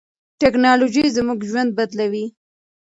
ټیکنالوژي زموږ ژوند بدلوي.